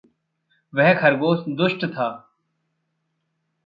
वह ख़रगोश दुष्ट था।